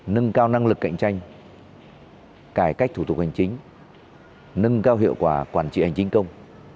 nâng cao năng lực cạnh tranh cải cách thủ tục hành chính nâng cao hiệu quả quản trị hành chính công